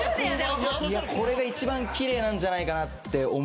これが一番奇麗なんじゃないかなって思いますけど。